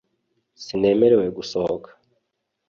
sinemerewe gusohoka